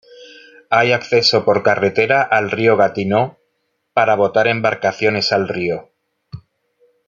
Hay acceso por carretera al Río Gatineau para botar embarcaciones al río.